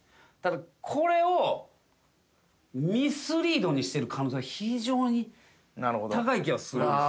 ただこれをミスリードにしてる可能性が非常に高い気がする。